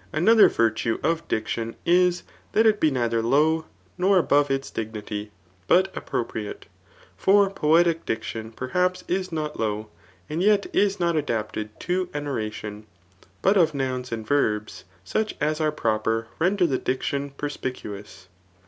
] Another virtue of diction is, that it be neither low, nor above its dignity, but appro* {mate. For poetic diction perhaps is not low, and yet is not adapted to an oration. But of nouns and verbs, such as are proper render the diction perspicuous.